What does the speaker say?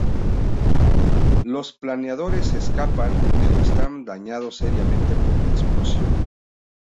Los planeadores escapan, pero están dañados seriamente por la explosión.